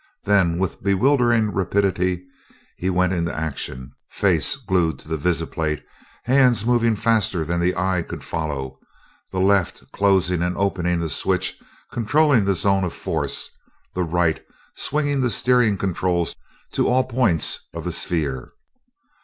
Then, with bewildering rapidity, he went into action; face glued to the visiplate, hands moving faster than the eye could follow the left closing and opening the switch controlling the zone of force, the right swinging the steering controls to all points of the sphere.